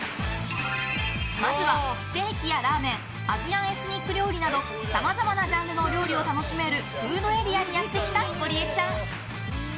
まずは、ステーキやラーメンアジアンエスニック料理などさまざまなジャンルのお料理を楽しめるフードエリアにやってきたゴリエちゃん。